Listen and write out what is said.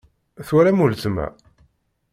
Twalam weltma?